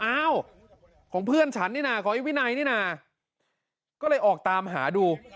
อ้าวของเพื่อนฉันนี่นะของไอ้วินัยนี่นะก็เลยออกตามหาดู